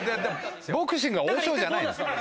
ボクシングは王将じゃないから。